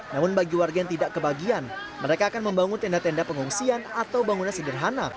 namun bagi warga yang tidak kebagian mereka akan membangun tenda tenda pengungsian atau bangunan sederhana